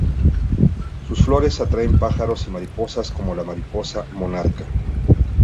Sus flores atraen pájaros y mariposas, como la mariposa monarca.